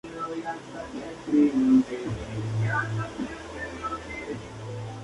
Actualmente se ubica en Berlín.